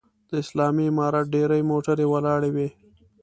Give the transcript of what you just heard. د اسلامي امارت ډېرې موټرې ولاړې وې.